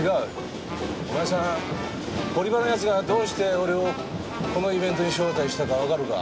お前さん堀場の奴がどうして俺をこのイベントに招待したかわかるか？